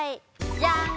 じゃん！